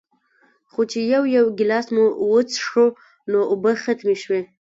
خو چې يو يو ګلاس مو وڅښو نو اوبۀ ختمې شوې